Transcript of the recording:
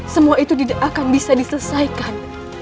semua itu akan bisa diselesaikan